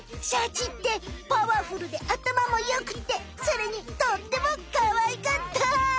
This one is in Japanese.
シャチってパワフルであたまもよくてそれにとってもかわいかった。